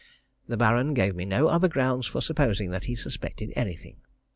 The Baron gave me no other grounds for supposing that he suspected anything.